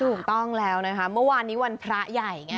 ถูกต้องแล้วนะคะเมื่อวานนี้วันพระใหญ่ไง